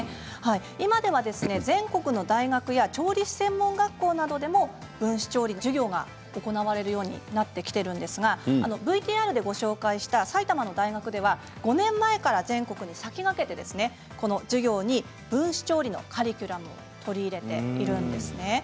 今では全国の大学や調理師専門学校などでも分子調理の授業が行われるようになってきているんですがＶＴＲでご紹介した埼玉の大学では５年前から全国に先駆けて授業に分子調理のカリキュラムを取り入れているんです。